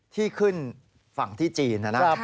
ที่ขึ้นฝั่งที่จีน